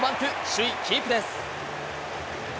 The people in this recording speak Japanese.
首位キープです。